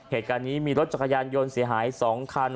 เหตุการณ์นี้มีรถจักรยานยนต์เสียหาย๒คัน